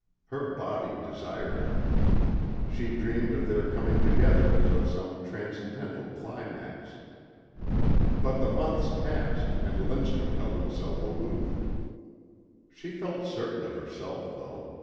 Her body desired him. She dreamed of their coming together as of some transcendental climax. But the months passed and Lindstrum held himself aloof. She felt certain of herself though.